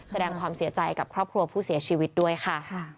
แสดงความเสียใจกับครอบครัวผู้เสียชีวิตด้วยค่ะ